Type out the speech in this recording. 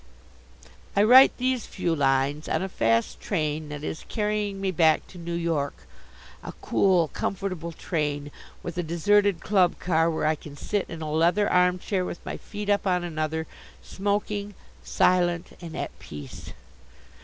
I write these few lines on a fast train that is carrying me back to New York, a cool, comfortable train, with a deserted club car where I can sit in a leather arm chair, with my feet up on another, smoking, silent, and at peace.